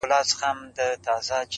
د سيند پر غاړه. سندريزه اروا وچړپېدل.